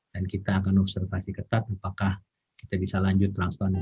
dan kita akan observasi ketat apakah kita bisa lanjut transvan atau tidak